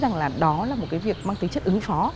chúng ta nghĩ rằng là đó là một cái việc mang tính chất ứng phó